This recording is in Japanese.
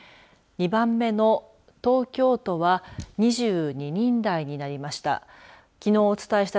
２番目の東京都は２２人台になりました。